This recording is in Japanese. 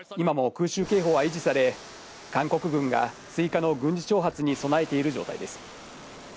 今も空襲警報は維持され、韓国軍が追加の軍事挑発に備えている状態です。